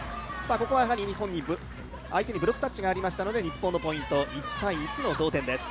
ここは相手にブロックタッチがありましたので、日本のポイント、１−１の同点です。